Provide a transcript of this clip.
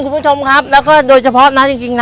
คุณผู้ชมครับแล้วก็โดยเฉพาะน้าจริงนะ